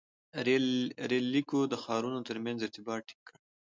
• رېل لیکو د ښارونو تر منځ ارتباط ټینګ کړ.